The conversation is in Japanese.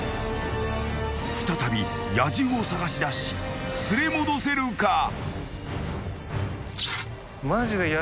［再び野獣を捜しだし連れ戻せるか？］